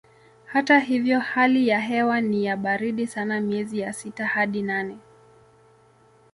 Hata hivyo hali ya hewa ni ya baridi sana miezi ya sita hadi nane.